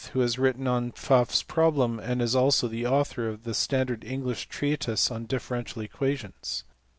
479), who has written on Pfaff s problem, and is also the author of the standard English treatise on differential equations.